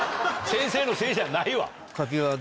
先生のせいじゃないわ。